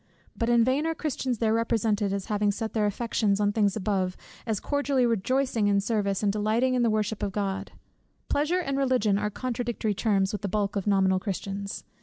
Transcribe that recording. But in vain are Christians there represented as having set their affections on things above, as cordially rejoicing in the service, and delighting in the worship of God. Pleasure and Religion are contradictory terms with the bulk of nominal Christians.